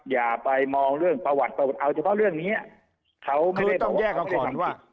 อย่าไปมองเรื่องประวัติประวัติเอาเฉพาะเรื่องเนี้ยเขาคือต้องแยกกับข่อนว่า